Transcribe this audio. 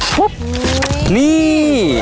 โหนี่